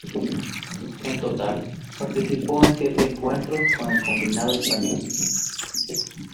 En total, participó en siete encuentros con el combinado español.